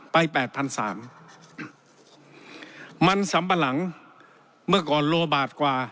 แปดพันสามมันสำปะหลังเมื่อก่อนโลบาทกว่า